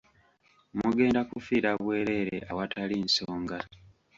Mugenda kufiira bwereere awatali nsonga.